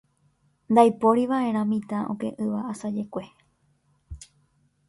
Ndaiporiva'erã mitã oke'ỹva asajekue.